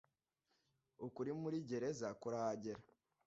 ukuri muri gereza kurahagera